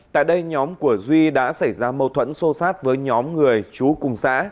tại đây nhóm của duy đã xảy ra mâu thuẫn sô sát với nhóm người chú cùng xã